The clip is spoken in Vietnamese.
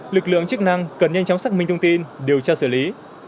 lực lượng chức năng cần nhanh chóng xác minh thông tin điều tra xử lý